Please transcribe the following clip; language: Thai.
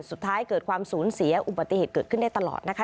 สุดท้ายเกิดความสูญเสียอุบัติเหตุเกิดขึ้นได้ตลอดนะคะ